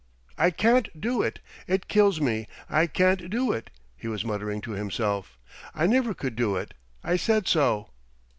"I can't do it! It kills me; I can't do it!" he was muttering to himself. "I never could do it. I said so."